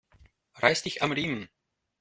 Reiß dich am Riemen!